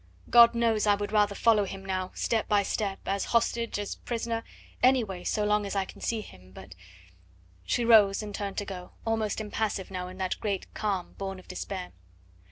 God knows I would rather follow him now, step by step, as hostage, as prisoner any way so long as I can see him, but " She rose and turned to go, almost impassive now in that great calm born of despair.